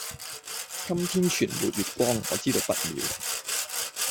今天全沒月光，我知道不妙。